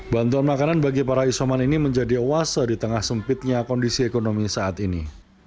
bantuan makanan bagi para isoman ini menjadi oase di tengah sempitnya kondisi ekonomi saat ini